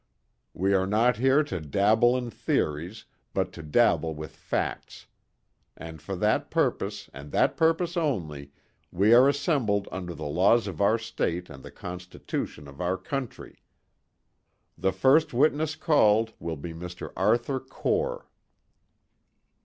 We are not here to dabble in theories, but to deal with facts. And for that purpose, and that purpose only, we are assembled under the laws of our state and the constitution of our country. The first witness called will be Mr. Arthur Core."